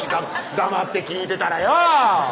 黙って聞いてたらよぉ！